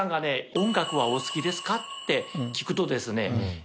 「音楽はお好きですか？」って聞くとですね。